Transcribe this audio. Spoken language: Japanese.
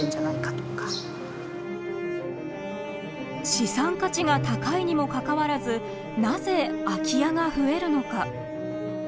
資産価値が高いにもかかわらずなぜ空き家が増えるのか。